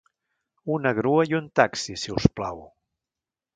Una grua i un taxi si us plau.